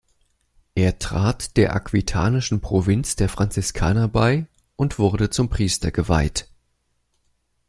Er trat der aquitanischen Provinz der Franziskaner bei und wurde zum Priester geweiht.